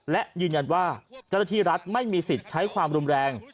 และยืนยันว่าเจ้าหน้าที่รัฐไม่มีสิทธิ์ใช้ความรุนแรง